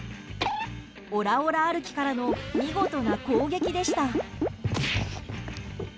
オラオラ歩きからの見事な攻撃でした。